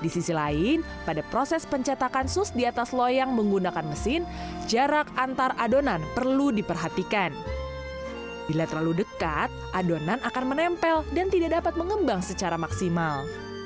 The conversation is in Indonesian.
di sisi lain pada proses pencetakan sus di atas loyang menggunakan mesin jarak antar adonan perlu diperhatikan bila terlalu dekat adonan akan menempel dan tidak dapat mengembang secara maksimal